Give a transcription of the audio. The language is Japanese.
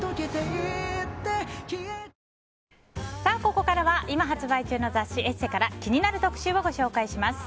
ここからは今発売中の雑誌「ＥＳＳＥ」から気になる特集をご紹介します。